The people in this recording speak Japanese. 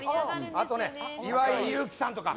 あとね、岩井勇気さんとか。